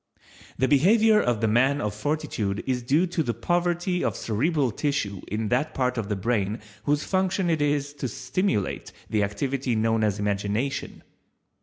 The behavior of the man of Fortitude is due to the poverty of cerebral tissue in that part of the brain whose function it is to stimulate the activity known as imagination.